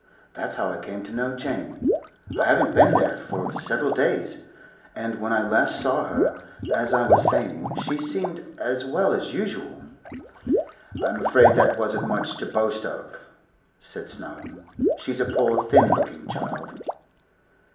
That's how I came to know Jane. I haven't been there for several days, and when I last saw her, as I was saying, she seemed as well as usual.' 'I'm afraid that wasn't much to boast of,' said Snowdon. 'She's a poor, thin looking child.